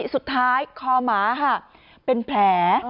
สุดท้ายคอหมาเป็นแผล